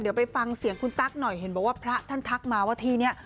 เดี๋ยวไปฟังเสียงคุณตั๊กหน่อยเห็นบอกว่าพระท่านทักมาว่าที่นี้